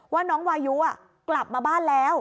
ว่าน้องวายุกลับมาบ้านแล้ว